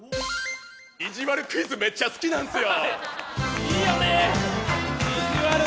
いじわるクイズめっちゃ好きなんですよ！